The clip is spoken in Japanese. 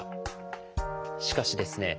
しかしですね